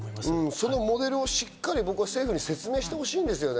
そのモデルをしっかり政府に説明してほしいんですよね。